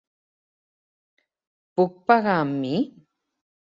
Puc pagar amb mi?